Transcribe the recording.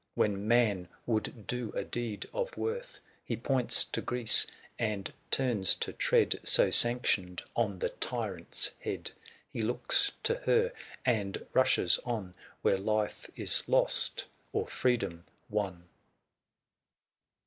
When man would do a deed of worth, He points to Greece, and turns to tread, 375 So sanctioned, on the tyrant's head : He looks to her, and rushes on '.^>' Where life is lost, or freedom won.